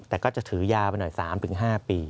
แต่ก็จะถือยาวไปหน่อย๓๕ปี